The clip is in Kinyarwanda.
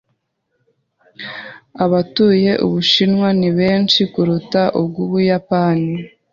Abatuye Ubushinwa ni benshi kuruta ubw'Ubuyapani.